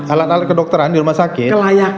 alat alat kedokteran di rumah sakit